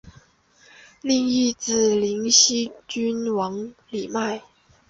另一子灵溪郡王李咏。